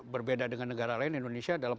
berbeda dengan negara lain indonesia dalam